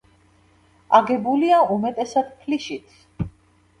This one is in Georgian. აგებულია უმეტესად ფლიშით.